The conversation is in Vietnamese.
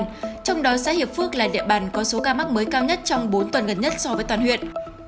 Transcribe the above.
trong đó xã hiệp phước là địa bàn có số ca mắc mới cao nhất trong bốn tuần gần nhất so với toàn huyện